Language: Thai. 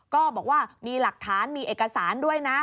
ก็บอกว่ามีหลักฐานมีเอกสารด้วยนะ